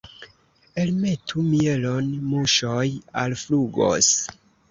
Elmetu mielon, muŝoj alflugos.